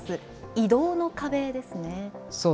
移動の壁ですね。